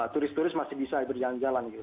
turis turis masih bisa berjalan jalan